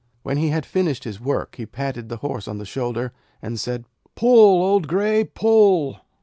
When he had finished his work he patted the Horse on the shoulder, and said: 'Pull, old Grey! Pull!'